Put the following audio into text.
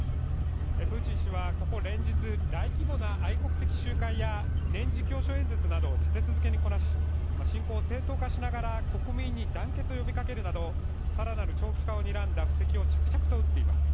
プーチン氏はここ連日大規模な愛国的集会や年次教書演説などを立て続けにこなし、侵攻を正当化しながら国民に団結を呼びかけるなど更なる長期化をにらんだ布石を着々と打っています。